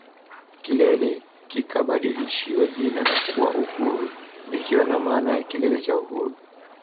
Kilele kikabadilishiwa jina na kuwa Uhuru likiwa na maana ya Kilele cha Uhuru